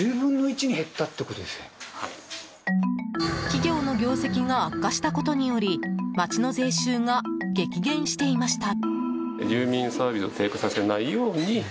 企業の業績が悪化したことにより町の税収が激減していました。